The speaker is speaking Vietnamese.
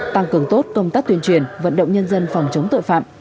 tăng cường tốt công tác tuyên truyền vận động nhân dân phòng chống tội phạm